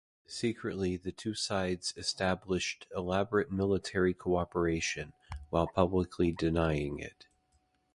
Secretly the two sides established elaborate military cooperation, while publicly denying it.